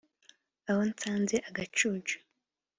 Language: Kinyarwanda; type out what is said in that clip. aho nsanze agacucu